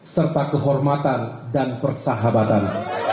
serta kehormatan dan persahabatan